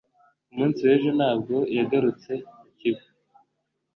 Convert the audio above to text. Ku munsi w'ejo ntabwo yagarutse mu kigo